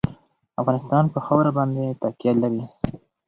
افغانستان په خاوره باندې تکیه لري.